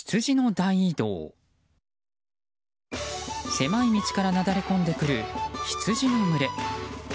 狭い道からなだれ込んでくるヒツジの群れ。